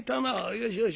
よしよし